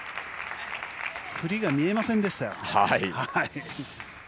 振りが見えませんでしたよ。